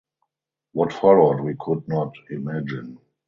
What followed we could not imagine.